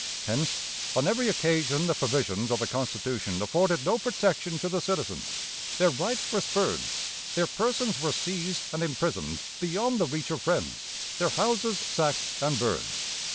Hence on every occasion the provisions of the Constitution afforded no protection to the citizens: their rights were spurned; their persons were seized and imprisoned beyond the reach of friends; their houses sacked and burned.